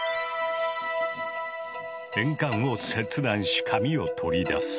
鉛管を切断し紙を取り出す。